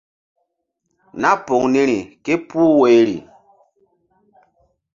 Nah poŋ niri ké puh woyri.